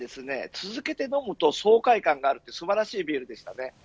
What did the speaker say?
続けて飲むと爽快感があるんで素晴らしいビールでした。